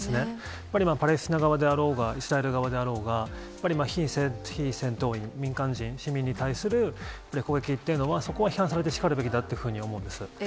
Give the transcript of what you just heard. やっぱりパレスチナ側であろうが、イスラエル側であろうが、やっぱり非戦闘員、民間人、市民に対する攻撃っていうのは、そこは批判されてしかるべきだと思うんです。